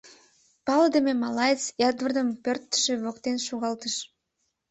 Палыдыме малаец Эдвардым пӧртшӧ воктен шогалтыш.